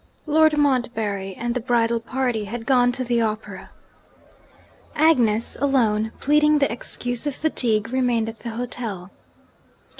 Lord Montbarry and the bridal party had gone to the Opera. Agnes alone, pleading the excuse of fatigue, remained at the hotel.